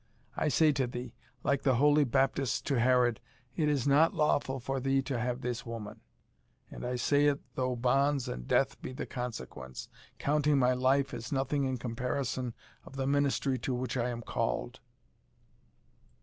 I say to thee, like the Holy Baptist to Herod, it is not lawful for thee to have this woman; and I say it though bonds and death be the consequence, counting my life as nothing in comparison of the ministry to which I am called."